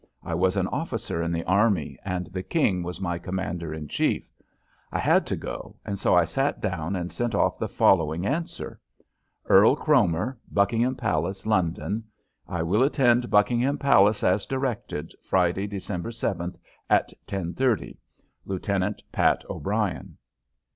I was an officer in the army and the King was my commander in chief. I had to go, and so I sat down and sent off the following answer: Earl Cromer, Buckingham Palace, London: I will attend Buckingham Palace as directed, Friday, December 7th, at 10:30. LIEUTENANT PAT O'BRIEN.